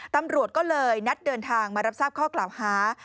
ตำรวจก็เลยนัดเดินทางมารับทราบข้อกล่าวหา